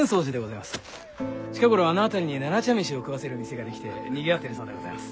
近頃あの辺りに「奈良茶飯」を食わせる店が出来てにぎわってるそうでございます。